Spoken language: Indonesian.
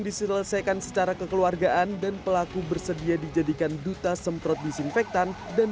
diselesaikan secara kekeluargaan dan pelaku bersedia dijadikan duta semprot disinfektan dan